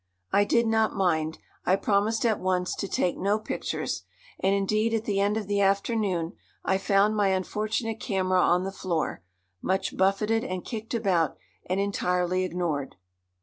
I did not mind. I promised at once to take no pictures, and indeed at the end of the afternoon I found my unfortunate camera on the floor, much buffeted and kicked about and entirely ignored.